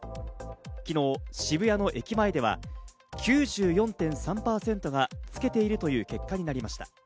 昨日、渋谷の駅前では９４．３％がつけているという結果になりました。